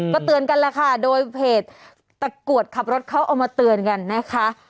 ก็เตือนกันแหละค่ะโดยเพจตะกรวดขับรถเขาเอามาเตือนกันนะคะ